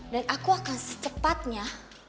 dan aku akan secepatnya